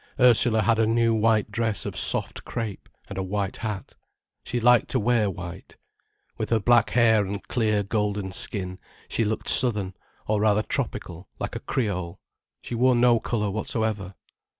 Ursula had a new white dress of soft crepe, and a white hat. She liked to wear white. With her black hair and clear golden skin, she looked southern, or rather tropical, like a Creole. She wore no colour whatsoever.